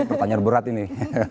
pertanyaan berat ini